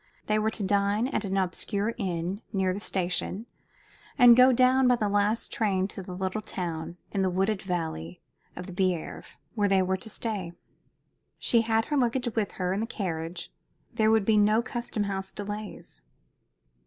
They were to dine at an obscure inn near the station, and go down by the last train to the little town in the wooded valley of the Bièvre, where they were to stay. She had her luggage with her in the carriage. There would be no custom house delays.